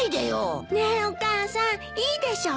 ねえお母さんいいでしょ？